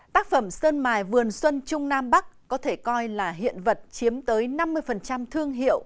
tác phẩm sơn mài vườn xuân trung nam bắc có thể coi là hiện vật chiếm tới năm mươi thương hiệu